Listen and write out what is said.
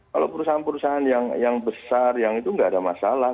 kalau perusahaan perusahaan yang besar yang itu nggak ada masalah